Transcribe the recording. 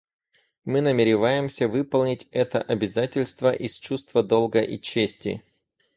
Мы намереваемся выполнить это обязательство из чувства долга и чести.